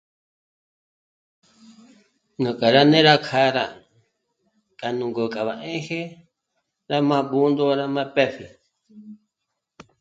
Nú kjâ'a rá né'e rá kjâ'a rá... k'a nú ngò'o k'o mbá rá 'éje, rá mà Bṓndo rá pë́pji